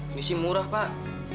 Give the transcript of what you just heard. ini sih murah pak